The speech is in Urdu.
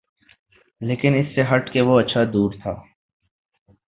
لیکن اس سے ہٹ کے وہ اچھا دور تھا۔